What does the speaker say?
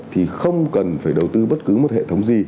thì không cần phải đầu tư bất cứ một hệ thống gì